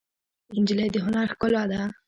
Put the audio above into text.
نجلۍ د هنر ښکلا ده.